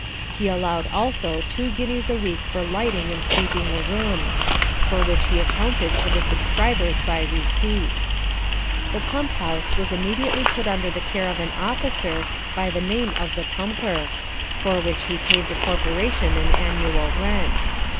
He allowed also two guineas a week for lighting and sweeping the rooms ; for which he accounted to the subscribers by receipt. The pump house was immediately put under the care of an officer, by the name of the pumper ; for which he paid the corporation an annual rent.